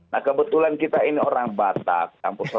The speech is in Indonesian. nah kebetulan kita ini orang batak